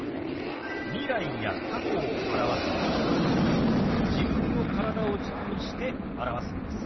未来や過去を表す時は自分の体を軸にして表すんです。